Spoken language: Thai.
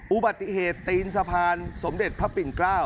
อุบัติเหตุตีนสะพานสมเด็จพระปิ่นเกล้า